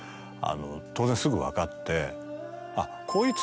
当然すぐ分かって。